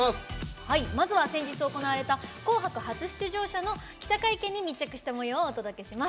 まずは、先日行われた「紅白」初出場者の記者会見に密着したもようをお届けします。